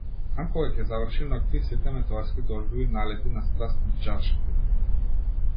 Знам кога ќе заврши ноќта и сите метеорски дождови налети на страст низ чаршафи.